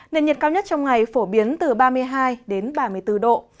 nền nhiệt cao nhất trong ngày phổ biến từ ba mươi hai đến ba mươi bốn độ